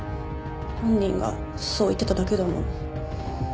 本人がそう言ってただけだもの。